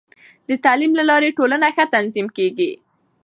د تعلیم له لارې، ټولنه ښه تنظیم کېږي.